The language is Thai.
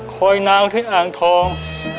คอยนาวที่อ่างทอง